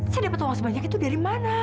saya dapat uang sebanyak itu dari mana